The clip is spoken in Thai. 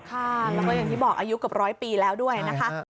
ค่ะแล้วก็อย่างที่บอกอายุกับ๑๐๐ปีแล้วด้วยนะครับ